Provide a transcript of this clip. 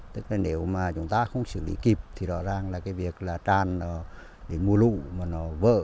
tức là nếu mà chúng ta không xử lý kịp thì rõ ràng là cái việc là tràn nó bị mưa lũ mà nó vỡ